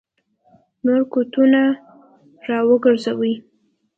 نور قوتونه را وګرځوي.